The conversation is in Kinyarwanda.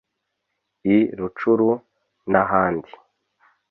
i Rucuru n’ahandi